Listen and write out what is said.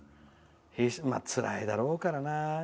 つらいだろうからな。